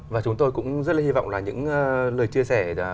và chúng tôi cũng rất là hy vọng là những lời chia sẻ